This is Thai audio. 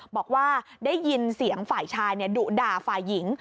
บอกว่าได้ยินเสียงฝ่ายชายดุด่าฝ่ายหญิง